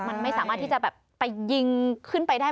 มันไม่สามารถที่จะแบบไปยิงขึ้นไปได้